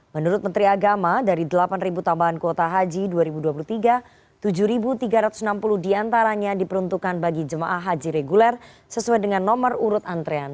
menurut menteri agama dari delapan tambahan kuota haji dua ribu dua puluh tiga tujuh tiga ratus enam puluh diantaranya diperuntukkan bagi jemaah haji reguler sesuai dengan nomor urut antrean